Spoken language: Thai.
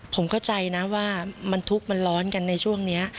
ผมเข้าใจนะว่ามันทุกข์มันร้อนกันในช่วงนี้